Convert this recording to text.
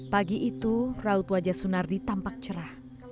pagi itu raut wajah sunardi tampak cerah